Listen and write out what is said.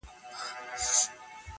یو کارګه وو څه پنیر یې وو غلا کړی-